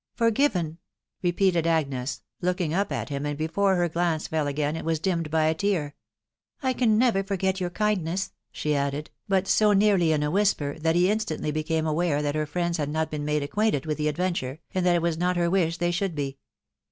c< Forgiven !" repeated Agnes, looking up at him, and be fore her glance fell again it was dimmed by a tear. {C I can never forget your kindness !" she added, but so nearly in a whisper, that he instantly became aware that her friends had not been made acquainted with the adventure, and that it was not her wish they should be.